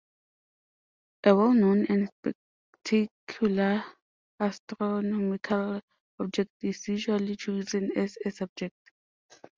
A well-known and spectacular astronomical object is usually chosen as a subject.